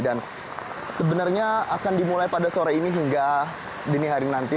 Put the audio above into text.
dan sebenarnya akan dimulai pada sore ini hingga dini hari nanti